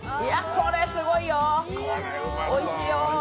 これすごいよ、おいしいよ。